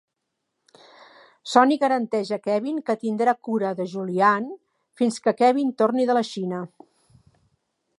Sonny garanteix a Kevin que tindrà cura de Julian fins que Kevin torni de la Xina.